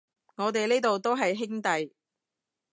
我哋呢度都係兄弟